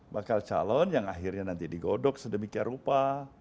bakal calon yang akhirnya nanti digodok sedemikian rupa